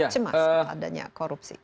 cemas kalau adanya korupsi